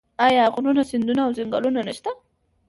آیا غرونه سیندونه او ځنګلونه نشته؟